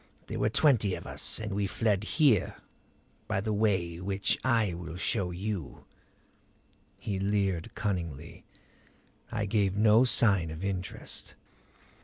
There were twenty of us; and we fled here by the way which I will show you " He leered cunningly; I gave no sign of interest.